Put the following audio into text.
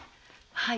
はい。